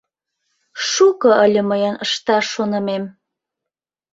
Шуко ыле мыйын ышташ шонымем.